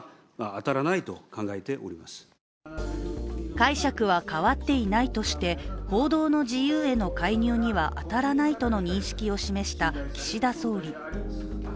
解釈は変わっていないとして報道の自由への介入には当たらないとの認識を示した岸田総理。